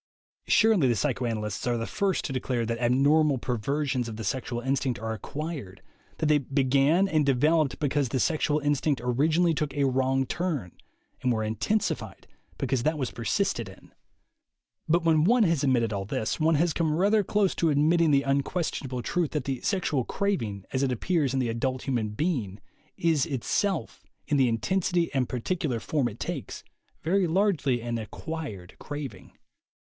Surely the psychoanalysts are the first to declare that abnormal perversions of the sexual instinct are acquired, that they began and developed because the sexual instinct orginally took a wrong turn, and were intensified because that was persisted in. But when one has admitted all this, one has come rather close to admitting the un questionable truth that the sexual craving, as it appears in the adult human being, is itself, in the in tensity and particular form it takes, very largely an "acquired" craving.